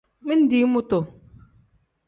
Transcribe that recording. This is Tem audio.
Mindi mutu.